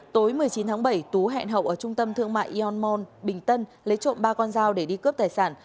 tối một mươi chín tháng bảy tú hẹn hậu ở trung tâm thương mại yonmon bình tân lấy trộm ba con dao để đi cướp tài sản